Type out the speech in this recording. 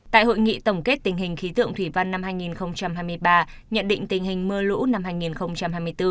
tại hội nghị tổng kết tình hình khí tượng thủy văn năm hai nghìn hai mươi ba nhận định tình hình mưa lũ năm hai nghìn hai mươi bốn